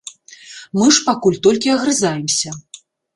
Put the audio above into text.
Мы ж пакуль толькі агрызаемся.